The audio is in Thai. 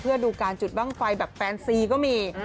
เพื่อดูการจุดบ้างไฟแบบแฟนซีก็มี